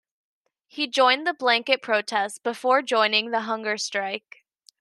He joined the blanket protest before joining the hunger strike.